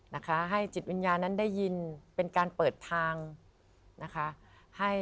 นะคะให้จิตวิญญาณนั้นได้ยินเป็นการเปิดทางนะคะ